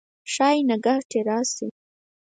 ښايي نګهت یې راشي